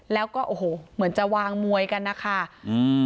แล้วก็โอ้โหเหมือนจะวางมวยกันนะคะอืม